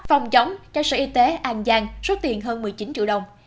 phòng chống cho sở y tế an giang số tiền hơn một mươi chín triệu đồng